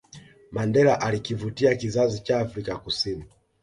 Mandela alikivutia kizazicha Afrika Kusini